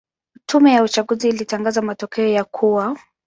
Tume ya uchaguzi ilitangaza matokeo ya kuwa